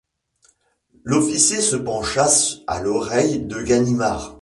L'officier se pencha à l'oreille de Ganimard